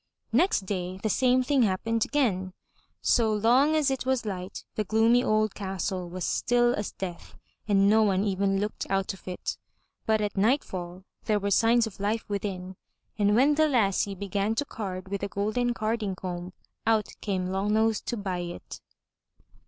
Next day the same thing happened again. So long as it was light the gloomy old castle was as still as death and no one even looked out of it. But at nightfall there were signs of life within, and when the lassie began to card with the golden carding comb out came Long nose to buy it.